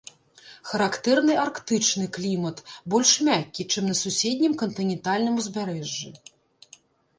Характэрны арктычны клімат, больш мяккі, чым на суседнім кантынентальным узбярэжжы.